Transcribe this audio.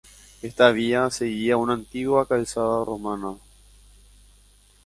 Esta vía seguía una antigua calzada romana.